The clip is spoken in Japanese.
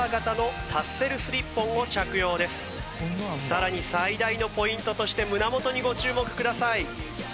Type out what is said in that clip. さらに最大のポイントとして胸元にご注目ください。